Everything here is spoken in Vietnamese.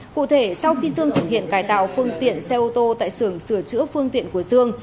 cụ thể sau khi sương thực hiện cải tạo phương tiện xe ô tô tại xưởng sửa chữa phương tiện của dương